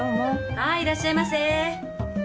はいいらっしゃいませ。